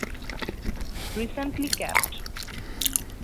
Recently Capt.